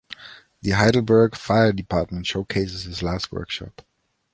The Heidelberg Fire Department showcases his last workshop.